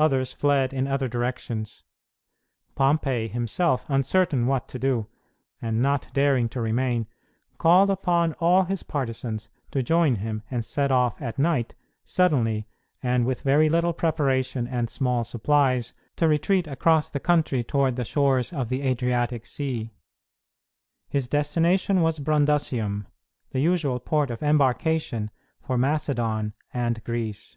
Others fled in other directions. Pompey himself, uncertain what to do, and not daring to remain, called upon all his partisans to join him, and set off at night, suddenly, and with very little preparation and small supplies, to retreat across the country toward the shores of the Adriatic Sea. His destination was Brundusium, the usual port of embarkation for Macedon and Greece.